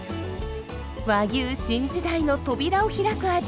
和牛新時代の扉を開く味。